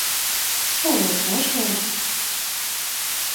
Kā lai es pārslēdzu?